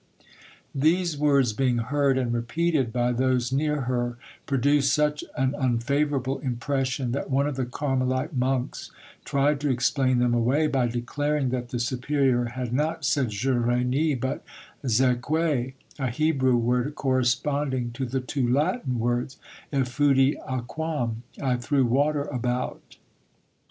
These words being heard and repeated by those near her produced such an unfavourable impression that one of the Carmelite monks tried to explain them away by declaring that the superior had not said "Je renie," but "Zaquay," a Hebrew word corresponding to the two Latin words, "Effudi aquam" (I threw water about).